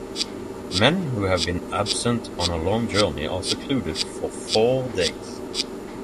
Men who have been absent on a long journey are secluded for four days.